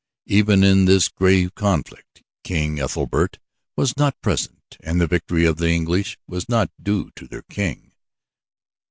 Even in this grave conflict, King Ethelbert was not present, and the victory of the English was not due to their King.